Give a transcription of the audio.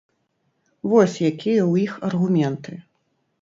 Вось якія ў іх аргументы.